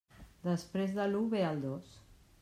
Després de l'u ve el dos.